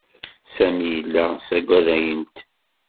Sami llan saggadayent.